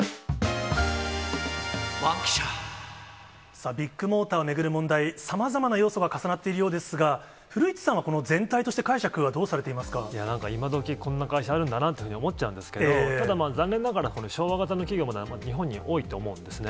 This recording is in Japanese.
さあ、ビッグモーターを巡る問題、さまざまな要素が重なっているようですが、古市さんはこの全体と今どき、こんな会社あるんだなと思っちゃうんだけど、でも残念ながら、昭和型の企業はまだ日本に多いと思うんですね。